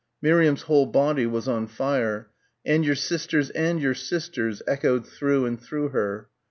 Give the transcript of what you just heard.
Miriam's whole body was on fire ... "and your sisters and your sisters," echoed through and through her.